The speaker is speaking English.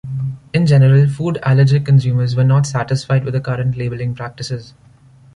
In general, food-allergic consumers were not satisfied with the current labelling practices.